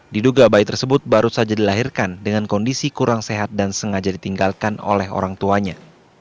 diduga bayi tersebut baru saja dilahirkan dengan kondisi kurang sehat dan sengaja ditinggalkan oleh orang tuanya